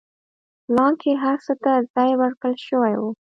پلان کې هر څه ته ځای ورکړل شوی و.